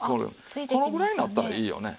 このぐらいになったらいいよね。